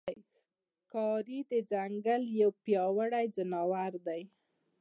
ښکاري د ځنګل یو پیاوړی څاروی دی.